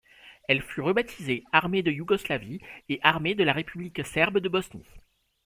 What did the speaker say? Elle fut rebaptisée Armée de Yougoslavie et Armée de la République serbe de Bosnie.